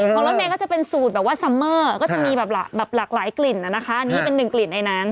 รถเมย์ก็จะเป็นสูตรแบบว่าซัมเมอร์ก็จะมีแบบหลากหลายกลิ่นนะคะอันนี้เป็นหนึ่งกลิ่นในนั้น